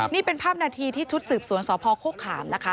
นี่เป็นภาพนาทีที่ชุดสืบสวนสพโฆขามนะคะ